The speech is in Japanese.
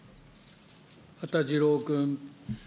羽田次郎君。